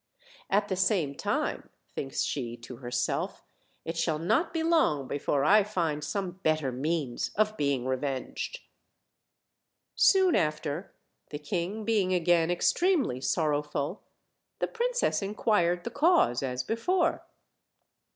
"At the same time," thinks she to herself, "it shall not be long before I find some better means of being revenged." Soon after, the king being again extremely sorrowful, the princess inquired the cause as before.